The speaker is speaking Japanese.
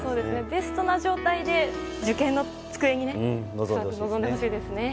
ベストな状態で受験の机に臨んでほしいですね。